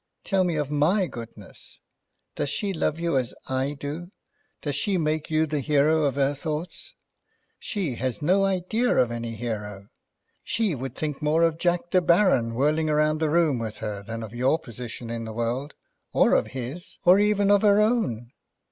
Tell me of my goodness. Does she love you as I do? Does she make you the hero of her thoughts? She has no idea of any hero. She would think more of Jack De Baron whirling round the room with her than of your position in the world, or of his, or even of her own."